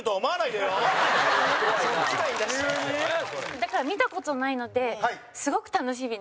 だから、見た事ないのですごく楽しみです。